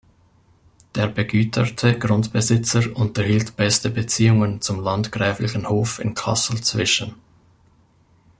Der begüterte Grundbesitzer unterhielt beste Beziehungen zum landgräflichen Hof in Kassel Zwischen.